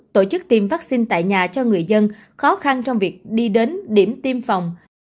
tổ chức tiêm vaccine tại nhà cho người dân khó khăn trong việc đi đến điểm tiêm phòng